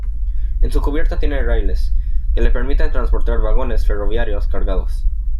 En su cubierta tiene raíles, que le permiten transportar vagones ferroviarios cargados.